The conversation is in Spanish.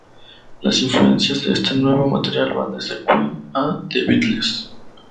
Las influencias de este nuevo material van desde Queen a The Beatles.